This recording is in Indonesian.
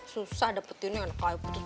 susah dapetin yang enak aja